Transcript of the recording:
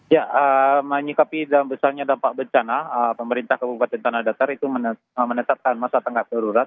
ya menyikapi besarnya dampak bencana pemerintah kabupaten tanah datar itu menetapkan masa tanggap darurat